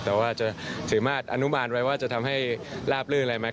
แต่ว่าจะสามารถอนุมานไว้ว่าจะทำให้ลาบลื่นอะไรไหม